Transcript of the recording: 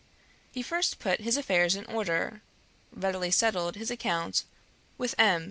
He first put his affairs in order, readily settled his account with M.